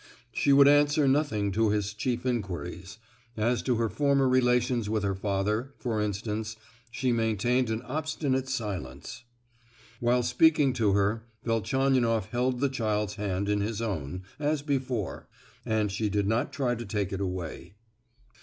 She would answer nothing to his chief inquiries; as to her former relations with her father, for instance, she maintained an obstinate silence. While speaking to her, Velchaninoff held the child's hand in his own, as before; and she did not try to take it away.